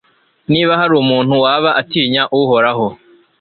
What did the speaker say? niba hari umuntu waba atinya uhoraho